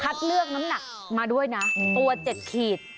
เลือกน้ำหนักมาด้วยนะตัว๗ขีด